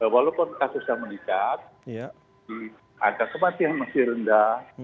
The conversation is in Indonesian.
walaupun kasus yang meningkat ada tempat yang masih rendah